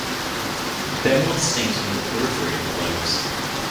They are more distinct near the periphery of the lobes.